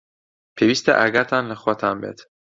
پێویستە ئاگاتان لە خۆتان بێت.